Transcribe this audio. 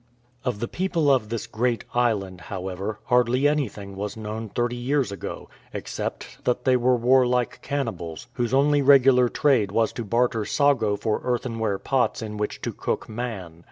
Of the people of this great island, however, hardly anything w£is known thirty years ago, except that they 28s "TAMATE" were warlike cannibals, whose only regular trade was to barter sago for earthenware pots in which to cook man.